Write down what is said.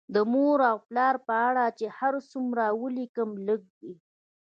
د مور او پلار په اړه چې هر څومره ولیکم لږ دي